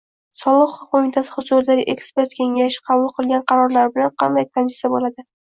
soliq qo‘mitasi huzuridagi Ekspert kengashi qabul qilgan qarorlar bilan qanday tanishsa bo‘ladi?